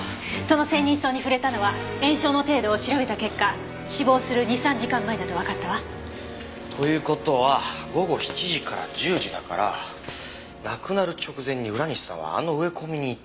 そのセンニンソウに触れたのは炎症の程度を調べた結果死亡する２３時間前だとわかったわ。という事は午後７時から１０時だから亡くなる直前に浦西さんはあの植え込みにいた。